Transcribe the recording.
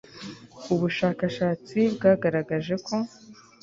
ubushakashatsi bwagaragaje ko